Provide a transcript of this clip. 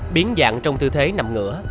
biến dạng trong tư thế nằm ngửa